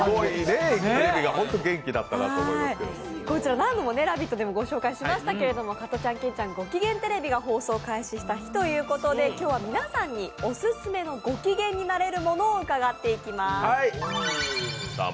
何度も「ラヴィット！」でご紹介しましたけれども「加トちゃんケンちゃんごきげんテレビ」が放送開始した日ということで今日は皆さんにおすすめのごきげんになれるものを伺っていきます。